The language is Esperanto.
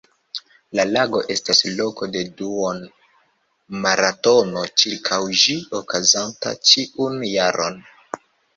La lago estas loko de duon-maratono ĉirkaŭ ĝi, okazanta ĉiun jaron.